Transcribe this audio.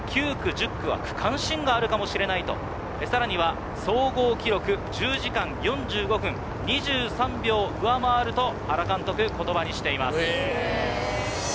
９区、１０区は区間新があるかもしれないと、さらには、総合記録１０時間４５分２３秒を上回ると、原監督、ことばにしています。